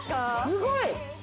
すごい！